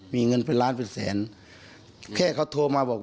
มีเงินเป็นล้านเป็นแสนแค่เขาโทรมาบอก